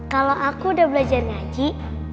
kalau aku udah belajar ngaji